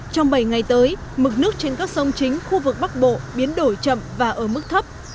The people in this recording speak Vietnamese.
trong bảy ngày tới mực nước trên các sông chính khu vực bắc bộ biến đổi chậm và ở mức thấp